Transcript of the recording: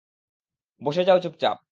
বসে যাও চুপচাপ।